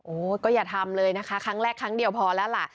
โอ้โหก็อย่าทำเลยนะคะครั้งแรกครั้งเดียวพอแล้วล่ะ